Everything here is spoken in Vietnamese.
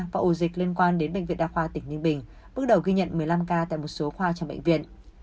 và ổ dịch liên quan đến bệnh viện đa khoa tỉnh ninh bình bước đầu ghi nhận một mươi năm ca tại một số khoa trong bệnh viện